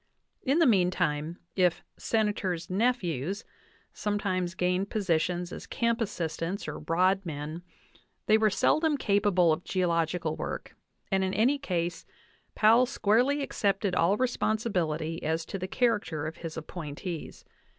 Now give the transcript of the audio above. In the meantime, if "Senators' nephews" sometimes gained positions as camp assistants or rodmen, they were seldom capable of geological work, and in any case Powell squarely accepted all responsibility as to the character of his appointees.